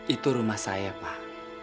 itu rumah saya pak